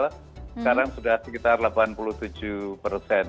sekarang sudah sekitar delapan puluh tujuh persen